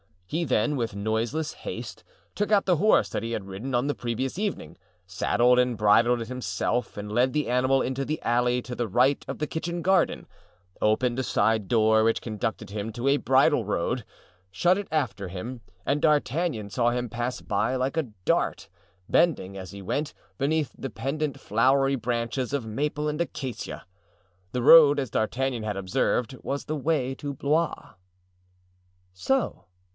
He then, with noiseless haste, took out the horse that he had ridden on the previous evening, saddled and bridled it himself and led the animal into the alley to the right of the kitchen garden, opened a side door which conducted him to a bridle road, shut it after him, and D'Artagnan saw him pass by like a dart, bending, as he went, beneath the pendent flowery branches of maple and acacia. The road, as D'Artagnan had observed, was the way to Blois. "So!"